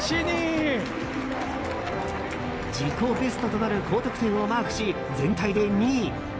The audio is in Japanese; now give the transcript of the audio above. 自己ベストとなる高得点をマークし、全体で２位。